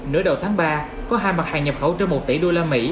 nửa đầu tháng ba có hai mặt hàng nhập khẩu trên một tỷ usd